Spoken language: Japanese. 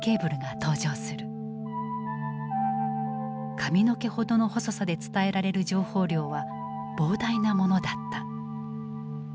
髪の毛ほどの細さで伝えられる情報量は膨大なものだった。